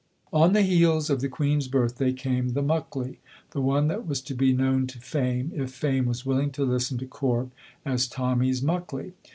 On the heels of the Queen's birthday came the Muckley, the one that was to be known to fame, if fame was willing to listen to Corp, as Tommy's Muckley.